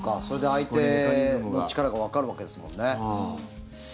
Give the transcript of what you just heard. それで相手の力がわかるわけですもんね。